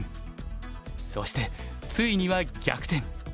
そしてついには逆転。